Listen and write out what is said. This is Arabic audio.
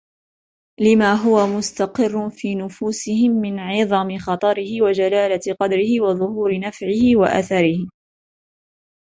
لِمَا هُوَ مُسْتَقِرٌّ فِي نُفُوسِهِمْ مِنْ عِظَمِ خَطَرِهِ وَجَلَالَةِ قَدْرِهِ وَظُهُورِ نَفْعِهِ وَأَثَرِهِ